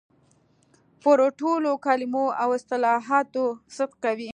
پر ټولو کلمو او اصطلاحاتو صدق کوي.